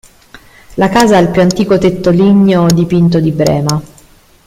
La casa ha il più antico tetto ligneo dipinto di Brema.